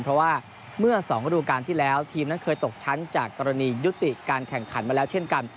เพราะว่าเมื่อ๒ฤดูการที่แล้วทีมนั้นเคยตกชั้นจากกรณียุติการแข่งขันมาแล้วเช่นกัน